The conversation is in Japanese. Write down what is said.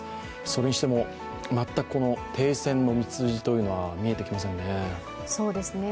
それにしても、全くこの停戦の道筋というのは見えてきませんね。